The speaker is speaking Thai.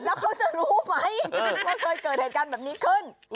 แล้วเขาจะรู้ไหมว่าเคยเกิดเหตุการณ์แบบนี้ขึ้น